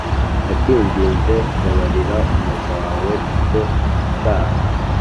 Ndakwinginze, babarira umuja wawe icyo cyaha.